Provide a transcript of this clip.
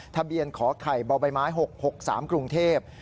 ทะเบียนขอไข่บใบไม้๖๖๓กรุงเทพฯ